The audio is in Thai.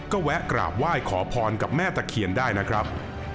ก็แวะกราบไหว้ขอพรกับแม่ตะเคียนได้นะครับ